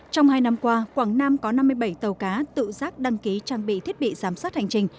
trong hai năm qua quảng nam có năm mươi bảy tàu cá tự giác đăng ký trang bị thiết bị giám sát hành trình